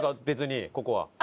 別にここは。